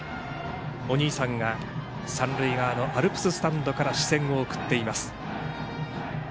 お兄さんが、三塁側のアルプススタンドから視線を送っています。